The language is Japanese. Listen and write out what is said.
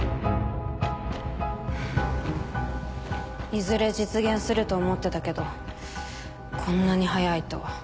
いずれ実現すると思ってたけどこんなに早いとは。